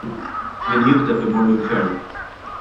Min jigdeb imur l-infern.